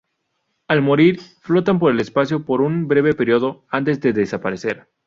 Al morir, flotan por el espacio por un breve período, antes de desaparecer.